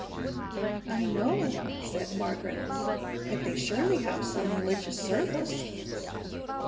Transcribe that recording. "I know," said Margaret, "but they surely have some religious service?"